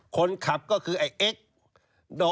คนขับก็คือไอ้เอ็กซ์